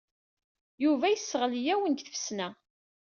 Yuba yesseɣli-awen deg tfesna.